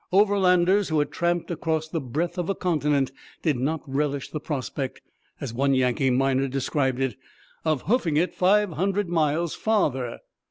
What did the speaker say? Overlanders, who had tramped across the breadth of a continent, did not relish the prospect, as one Yankee miner described it, of 'hoofing it five hundred miles farther.'